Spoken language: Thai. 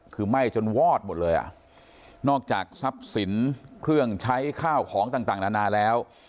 คือไหม้จนวอดหมดเลยอ่ะนอกจากทรัพย์สินเครื่องใช้ข้าวของต่างนานาแล้ว